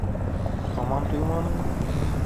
Һаман туйманыңмы?